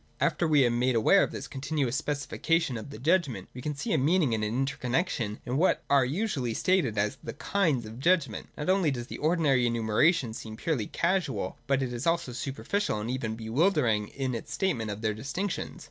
After we are made aware of this continuous specifica 171.] JUDGMENT. 303 tion of the judgment, we can see a meaning and an interconnexion in what are usually stated as the kinds of judgment. Not only does the ordinary enumeration seem purely casual, but it is also superficial, and even bewildering in its statement of their distinctions.